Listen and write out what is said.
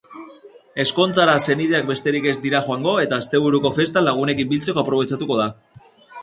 Ezkontzara senideak besterik ez dirajoango eta asteburuko festa lagunekin biltzeko aprobetxatu du.